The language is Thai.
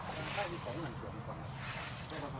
ทุกวันใหม่ทุกวันใหม่